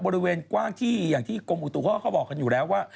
บริเวณกว้างที่อย่างที่กรมอุตุเขาก็บอกกันอยู่แล้วว่า